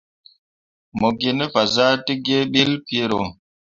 Mo gine fazahtǝgǝǝ ɓelle piro.